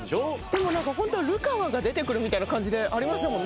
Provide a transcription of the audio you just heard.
でもホント流川が出てくるみたいな感じでありましたもんね。